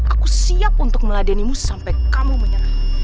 aku siap untuk meladenimu sampai kamu menyerah